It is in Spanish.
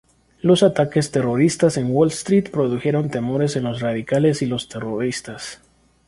Los ataques terroristas en Wall Street produjeron temores de los radicales y los terroristas.